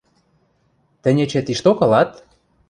Тӹнь эче тишток ылат?